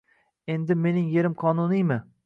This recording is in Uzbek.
Endi mening yerim qonuniymi?